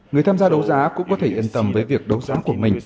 người tham gia đấu giá cũng có thể yên tâm với việc đấu giá của mình